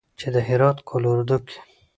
چې د هرات قول اردو کې